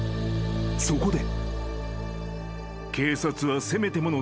そこで］